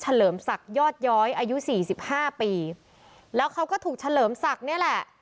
ชื่อเฉลิมสักยอดย้อยอายุสี่สิบห้าปีแล้วเขาก็ถูกเฉลิมสักนี่แหละ